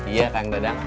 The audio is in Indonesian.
iya kang dadang